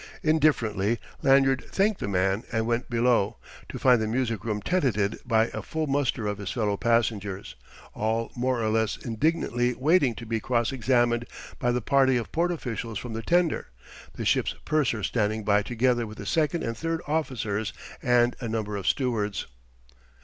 Indifferently Lanyard thanked the man and went below, to find the music room tenanted by a full muster of his fellow passengers, all more or less indignantly waiting to be cross examined by the party of port officials from the tender the ship's purser standing by together with the second and third officers and a number of stewards.